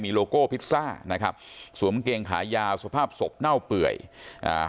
โลโก้พิซซ่านะครับสวมเกงขายาวสภาพศพเน่าเปื่อยอ่า